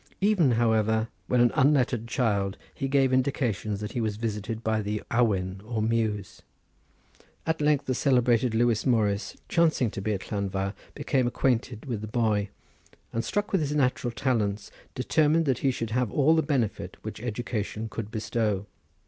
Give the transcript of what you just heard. Even, however, when an unlettered child he gave indications that he was visited by the awen or muse. At length the celebrated Lewis Morris chancing to be at Llanfair, became acquainted with the boy, and struck with his natural talents, determined that he should have all the benefit which education could bestow.